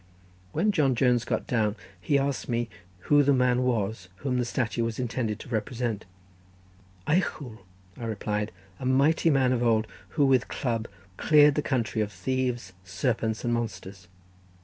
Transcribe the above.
When John Jones got down he asked me who the man was whom the statue was intended to represent. "Erchwl," I replied, "a mighty man of old, who with his club cleared the country of thieves, serpents, and monsters."